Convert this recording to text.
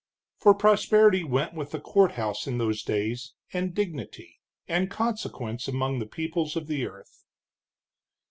For prosperity went with the courthouse in those days, and dignity, and consequence among the peoples of the earth.